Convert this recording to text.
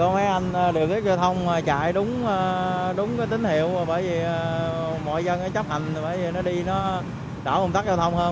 mọi dân chấp hành bây giờ nó đi nó đỡ ung tắc giao thông hơn